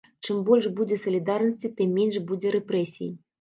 Чым больш будзе салідарнасці, тым менш будзе рэпрэсій.